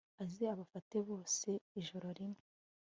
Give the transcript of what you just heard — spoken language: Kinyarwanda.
aze abafate bose ijoro rimwe